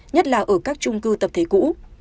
nhất là ở các trung cư tập thế cũ